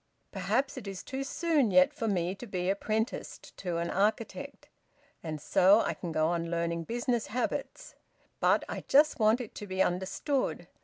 Perhaps it is too soon yet for me to be apprenticed to an architect, and so I can go on learning business habits. But I just want it to be understood.